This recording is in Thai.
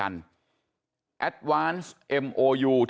ลาออกจากหัวหน้าพรรคเพื่อไทยอย่างเดียวเนี่ย